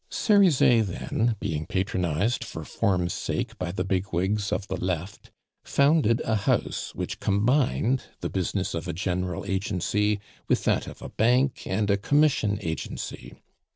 Cerizet then, being patronized for form's sake by the bigwigs of the Left, founded a house which combined the business of a general agency with that of a bank and a commission agency.